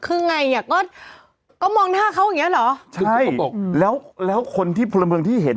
คือไงเนี้ยก็ก็มองท่าเขาอย่างเงี้ยเหรอใช่แล้วแล้วคนที่พลเมืองที่เห็น